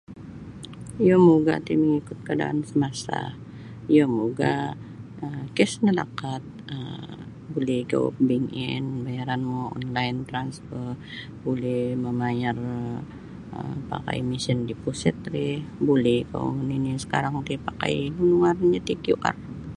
Iyo maugah ti mengikut keadaan semasa iyo maugah um cash no lakat um buli ikou bank in bayaranmu online transfer buli mamayar um pakai mesin deposit ri buli ikou nini sekarang ti pakai nunu ngarannyo ti QR.